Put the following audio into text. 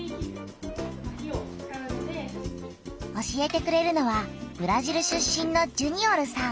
教えてくれるのはブラジル出身のジュニオルさん。